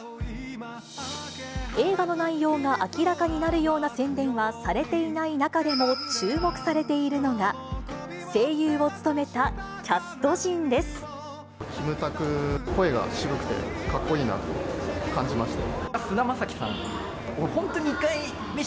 映画の内容が明らかになるような宣伝はされていない中でも注目されているのが、キムタク、声が渋くて、かっこいいなと感じましたよ。